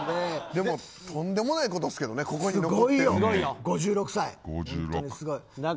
でもとんでもないことですけどここに残っているの。